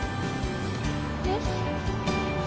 えっ？